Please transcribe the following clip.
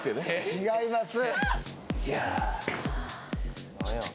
違います